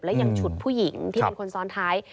และยังฉุดผู้หญิงที่เป็นคนซ้อนท้าย